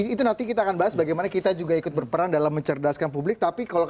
itu nanti kita akan bahas bagaimana kita juga ikut berperan dalam mencerdaskan publik